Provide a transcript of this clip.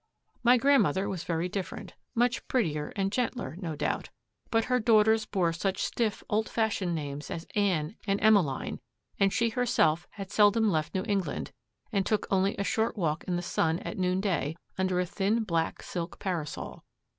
My grandmother was very different much prettier and gentler, no doubt; but her daughters bore such stiff, old fashioned names as Anne and Emeline, and she herself had seldom left New England, and took only a short walk in the sun at noonday, under a tiny black silk parasol.